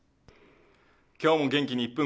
今日も元気に「１分！